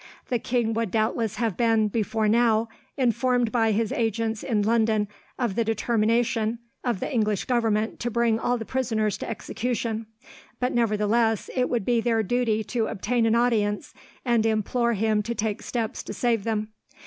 The king would doubtless have been, before now, informed by his agents in London of the determination of the English Government to bring all the prisoners to execution, but nevertheless, it would be their duty to obtain an audience, and implore him to take steps to save them.